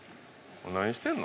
何してんの？